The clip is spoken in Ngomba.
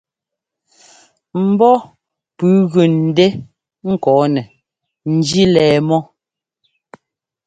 Ḿbɔ́ pʉ́ʉ gʉ ńdɛ́ ŋkɔɔnɛ njí lɛɛ mɔ́.